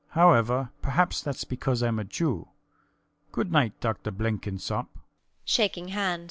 However, perhaps thats because I'm a Jew. Good night, Dr Blenkinsop [shaking hands].